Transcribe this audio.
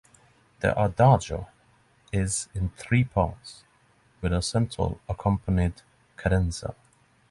The Adagio is in three parts, with a central accompanied cadenza.